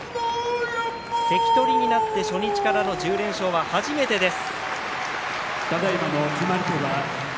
関取になって初日からの１０連勝は初めてです。